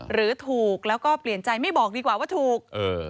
หรือถูกแล้วก็เปลี่ยนใจไม่บอกดีกว่าว่าถูก